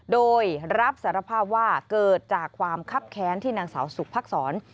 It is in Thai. โดยรับสารภาพว่าเกิดจากความคับแค้นที่นางสาวสุภักษร